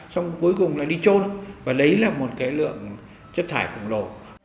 xong cuối cùng là đi trôn và đấy là một cái lượng chất thải khổng lồ